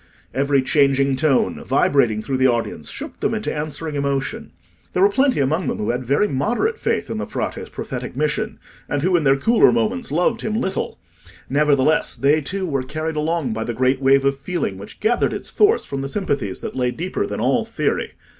Every changing tone, vibrating through the audience, shook them into answering emotion. There were plenty among them who had very moderate faith in the Frate's prophetic mission, and who in their cooler moments loved him little; nevertheless, they too were carried along by the great wave of feeling which gathered its force from sympathies that lay deeper than all theory.